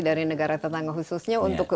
dari negara tetangga khususnya untuk